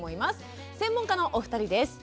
専門家のお二人です。